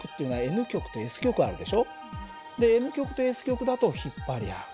でＮ極とＳ極だと引っ張り合う。